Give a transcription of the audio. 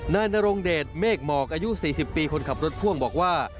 นายนรงเดชเมฆหมอกอายุ๔๐ปีคนขับรถพ่วงบอกว่า